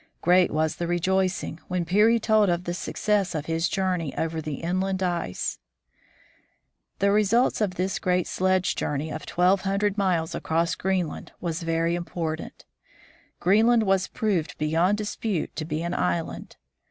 Great was the rejoicing when Peary told of the success of his journey over the inland ice. The results of this great sledge journey of twelve hun dred miles across Greenland were very important. Green land was proved beyond dispute to be an island.